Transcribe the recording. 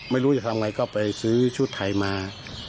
ไม่รู้จะทำไงก็ไปซื้อชุดไทยมา